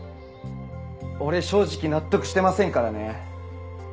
俺正直納得してませんからね。